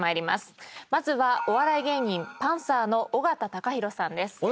まずはお笑い芸人パンサーの尾形貴弘さんです。